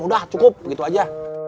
udah cukup begitu aja